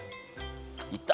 いった。